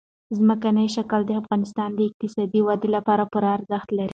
ځمکنی شکل د افغانستان د اقتصادي ودې لپاره پوره ارزښت لري.